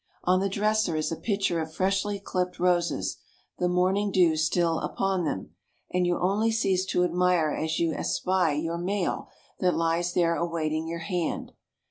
On the dresser is a pitcher of freshly clipped roses, the morning dew still upon them, and you only cease to admire as you espy your mail that lies there awaiting your hand.